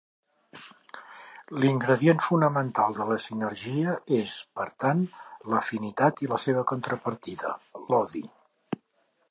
L'ingredient fonamental de la sinergia és, per tant, l'afinitat i la seva contrapartida, l'odi.